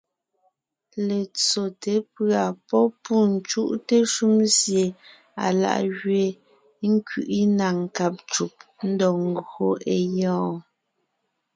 Letsóte pʉ̀a pɔ́ pû cúʼte shúm sie alá’ gẅeen, ńkẅiʼi na nkáb ncùb, ńdɔg ńgÿo é gyɔ́ɔn.